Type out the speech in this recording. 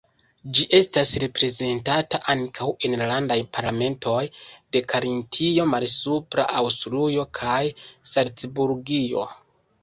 Ĝi estas reprezentata ankaŭ en la landaj parlamentoj de Karintio, Malsupra Aŭstrujo kaj Salcburgio.